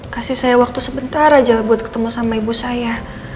kasih saya waktu sebentar aja buat ketemu sama ibu saya